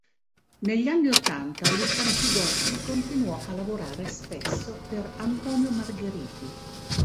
Negli anni ottanta Luciano Pigozzi continuò a lavorare spesso per Antonio Margheriti.